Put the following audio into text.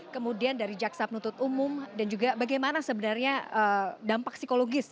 kemudian dari jaksa penuntut umum dan juga bagaimana sebenarnya dampak psikologis